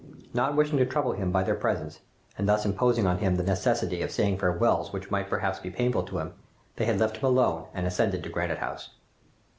Not wishing to trouble him by their presence, and thus imposing on him the necessity of saying farewells which might perhaps be painful to him, they had left him alone and ascended to Granite House.